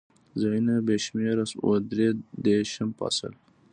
ځایونه بې شمېره و، درې دېرشم فصل.